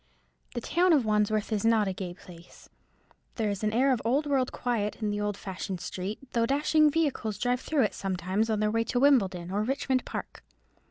The town of Wandsworth is not a gay place. There is an air of old world quiet in the old fashioned street, though dashing vehicles drive through it sometimes on their way to Wimbledon or Richmond Park.